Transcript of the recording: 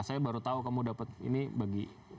saya baru tahu kamu dapat ini bagi